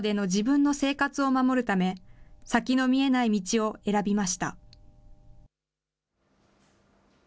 故郷での自分の生活を守るため、先の見えない道を選びました。